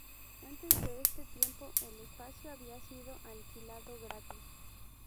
Antes de este tiempo, el espacio había sido alquilado gratis.